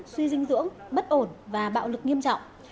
suy dinh dưỡng bất ổn và bạo lực nghiêm trọng